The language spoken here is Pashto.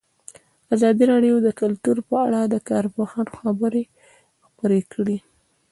ازادي راډیو د کلتور په اړه د کارپوهانو خبرې خپرې کړي.